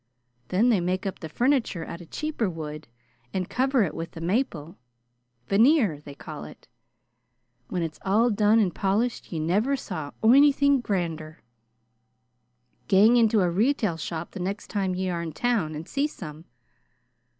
Then they make up the funiture out of cheaper wood and cover it with the maple veneer, they call it. When it's all done and polished ye never saw onythin' grander. Gang into a retail shop the next time ye are in town and see some.